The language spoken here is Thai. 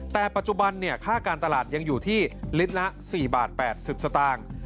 แต่ปัจจุบันค่าการตลาดยังอยู่ที่ลิตรละ๔บาท๘๐สตางค์